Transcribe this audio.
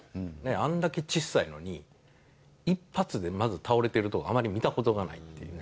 あんだけちっさいのに、一発でまず倒れているところ、あまり見たことがないっていうね。